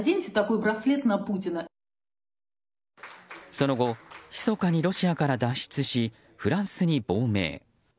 その後密かにロシアから脱出しフランスに亡命。